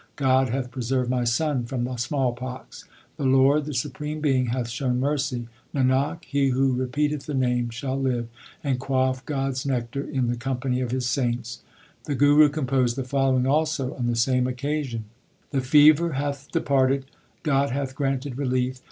God hath preserved my son from the small pox ; The Lord, the Supreme Being hath shown mercy. Nanak, he who repeateth the Name shall live, And quaff God s nectar in the company of His saints. The Guru composed the following also on the same occasion : The fever hath departed, God hath granted relief.